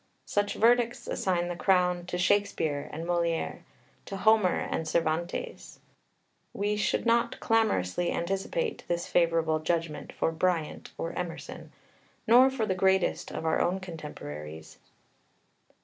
Such verdicts assign the crown to Shakespeare and Molière, to Homer and Cervantes; we should not clamorously anticipate this favourable judgment for Bryant or Emerson, nor for the greatest of our own contemporaries.